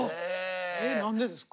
何でですか？